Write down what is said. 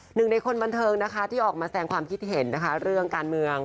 หนึ่งในคนบันเทิงนะคะที่ออกมาแสงความคิดเห็นนะคะเรื่องการเมือง